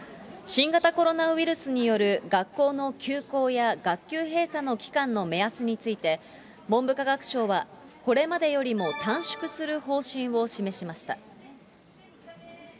新型コロナウイルスによる学校の休校や学級閉鎖の期間の目安について、文部科学省はこれまでよりも短縮する方針を示しました。